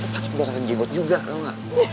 pasti kebakaran jegot juga tau gak